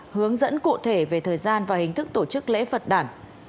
hướng dẫn cụ thể về thời gian và hình thức tổ chức lễ phật đàn